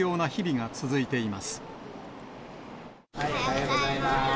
おはようございます。